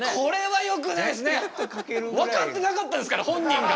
分かってなかったですから本人が。